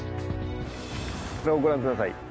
こちらをご覧ください。